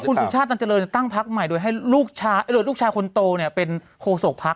แววว่าคุณสุชาติตั้งพักใหม่โดยให้ลูกชายคนโตเนี่ยเป็นโศกพัก